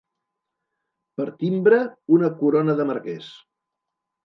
Per timbre, una corona de marquès.